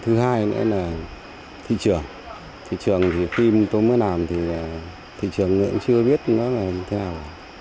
thứ hai nữa là thị trường thị trường thì phim tôi mới làm thì thị trường người ta cũng chưa biết nó là thế nào